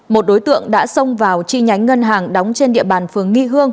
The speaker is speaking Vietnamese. một đối tượng đã xông vào chi nhánh ngân hàng đóng trên địa bàn phường nghi hương